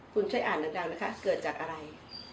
คุณช่วยอ่านดังนะคะเกิดจากอะไร